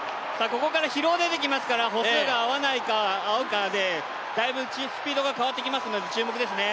ここから疲労が出てきますから、歩数が合わないか合うかで、だいぶスピードが変わってきますので注目ですね。